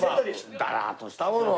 だらっとしたものを。